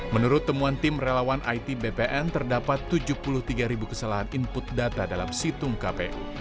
menurut temuan tim relawan it bpn terdapat tujuh puluh tiga ribu kesalahan input data dalam situng kpu